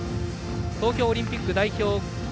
東京オリンピック代表